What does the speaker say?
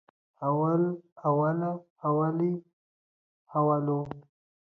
اول، اوله، اولې، اولو